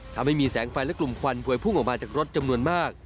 ทำให้มีแสงไฟและกลุ่มควันพวยพุ่งออกมาจากรถจำนวนมาก